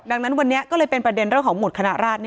ดังนั้นวันนี้ก็เลยเป็นประเด็นเรื่องของหมุดคณะราช